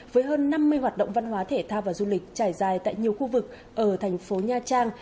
với hơn năm mươi hoạt động văn hóa thể thao và du lịch trải dài tại nhiều khu vực ở thành phố nha trang